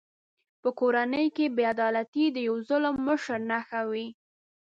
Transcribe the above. په کورنۍ کې بې عدالتي د یوه ظالم مشر نښه وي.